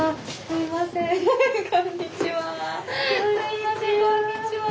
すいませんこんにちは。